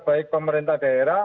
baik pemerintah daerah